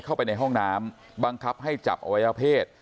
เข้าไปในห้องน้ำบังคับให้จับอวัยวเพศ